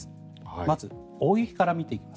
まずは大雪から見ていきます。